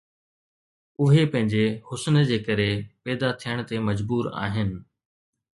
اهي پنهنجي حسن جي ڪري پيدا ٿيڻ تي مجبور آهن